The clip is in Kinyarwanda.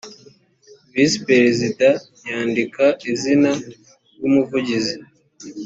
visi perezida yandika izina ry’umuvugizi